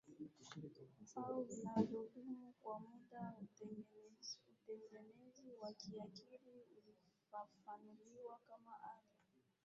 au vinavyodumu kwa muda Utegemezi wa kiakili ulifafanuliwa kama hali